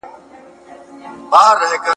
ياده دي وي چي د «هسپانیې فلسفي ابن رشد»